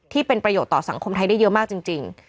ที่เป็นประโยชน์ต่อสังคมไทยได้เยอะมากจริง